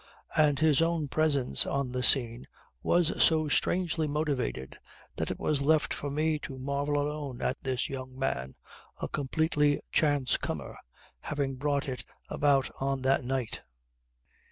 And his own presence on the scene was so strangely motived that it was left for me to marvel alone at this young man, a completely chance comer, having brought it about on that night.